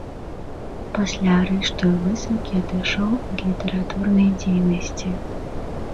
Пасля арышту і высылкі адышоў ад літаратурнай дзейнасці.